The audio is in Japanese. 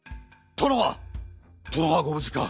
殿はご無事か。